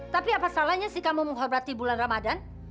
tapi apa salahnya sih kamu menghormati bulan ramadan